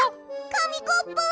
かみコップ！